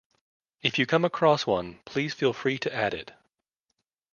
If you come across one, please feel free to add it.